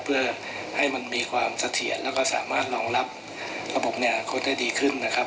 เพื่อให้มันมีความเสถียรแล้วก็สามารถรองรับระบบในอนาคตได้ดีขึ้นนะครับ